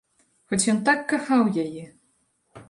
Хоць ён так кахаў яе!